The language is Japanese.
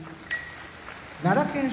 奈良県出